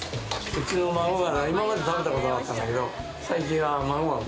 うちの孫が今まで食べたことなかったんだけど。